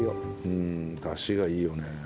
うんダシがいいよね。